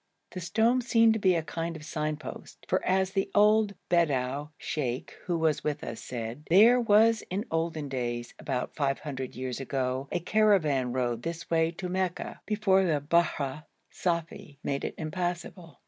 The stone seemed to be a kind of sign post; for as the old Bedou sheikh who was with us said, there was in olden days, about 500 years ago, a caravan road this way to Mecca, before the Bahr Safi made it impassable.